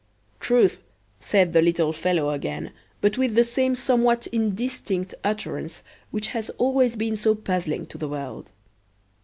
"Truth," said the little fellow again but with the same somewhat indistinct utterance which has always been so puzzling to the world.